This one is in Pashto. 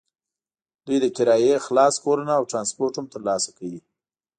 دوی له کرایې خلاص کورونه او ټرانسپورټ هم ترلاسه کوي.